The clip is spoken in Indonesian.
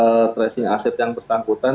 untuk tracing aset yang bersangkutan